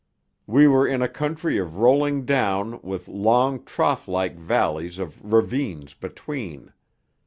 We were in a country of rolling down with long trough like valleys or ravines between.